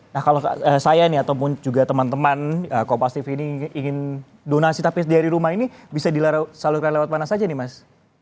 nah kalau saya nih ataupun juga teman teman kopastif ini ingin donasi tapi dari rumah ini bisa disalurkan lewat mana saja nih mas